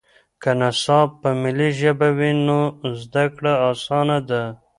که نصاب په ملي ژبه وي نو زده کړه اسانه ده.